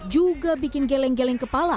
juga bikin geleng geleng kepala